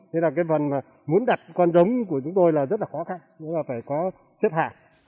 nên là cái phần muốn đặt con rống của chúng tôi là rất là khó khăn chúng ta phải có chất hạ